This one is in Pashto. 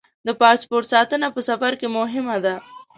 د پاسپورټ ساتنه په سفر کې مهمه ده.